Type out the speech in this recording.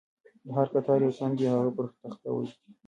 له هر کتار یو تن دې هغه پر تخته ولیکي.